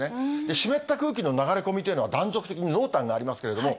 湿った空気の流れ込みというのは、断続的に濃淡がありますけれども、